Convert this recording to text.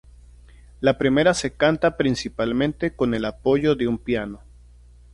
La primera se canta principalmente con el apoyo de un piano.